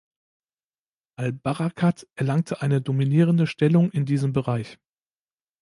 Al-Barakat erlangte eine dominierende Stellung in diesem Bereich.